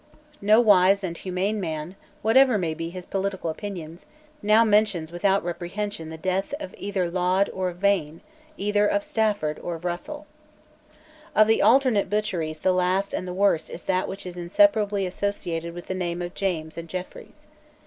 No wise and humane man, whatever may be his political opinions, now mentions without reprehension the death either of Laud or of Vane, either of Stafford or of Russell. Of the alternate butcheries the last and the worst is that which is inseparably associated with the names of James and Jeffreys.